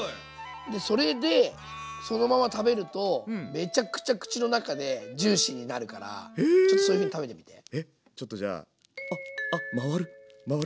でそれでそのまま食べるとめちゃくちゃ口の中でジューシーになるからちょっとちょっとじゃああっあ回る回る！